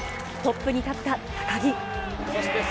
トップに立った高木。